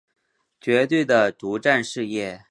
绝对的独占事业